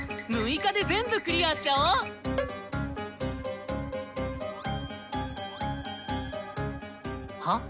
６日で全部クリアしちゃおう！は？